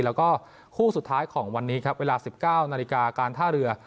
แล้วก็คู่สุดท้ายของวันนี้ครับเวลา๑๙นาฬิกาการท่าเรือ